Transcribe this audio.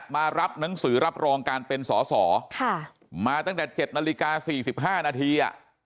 มารับหนังสือรับรองการเป็นสอสอค่ะมาตั้งแต่เจ็ดนาฬิกาสี่สิบห้านาทีอ่ะ